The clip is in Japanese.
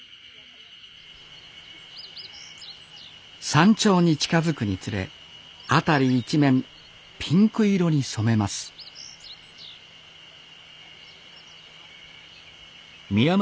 山頂に近づくにつれ辺り一面ピンク色に染めますうわ